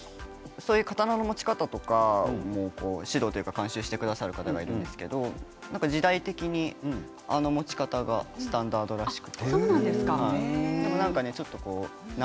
そういう刀の持ち方とか指導とか監修してくださる方がいるんですけど時代的にああいう持ち方がスタンダードだそうです。